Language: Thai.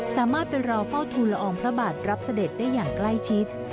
สามารถเป็นเราเฝ้าทูลละอองพระบาทรับเสด็จได้อย่างใกล้ชิด